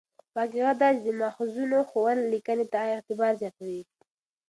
واقعیت دا دی چې د ماخذونو ښوول لیکنې ته اعتبار زیاتوي.